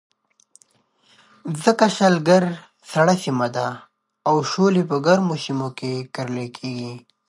ځکه شلګر سړه سیمه ده او شولې په ګرمو سیمو کې کرلې کېږي.